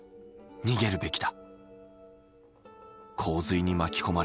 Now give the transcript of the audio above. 「逃げるべきだ」